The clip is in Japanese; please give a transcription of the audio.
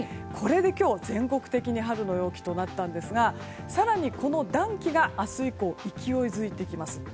これで今日、全国的に春の陽気となったんですが更に、この暖気が明日以降、勢いづいてきます。